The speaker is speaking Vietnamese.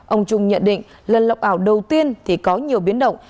ông trung nhận định lần lọc ảo đầu tiên thì có nhiều biến động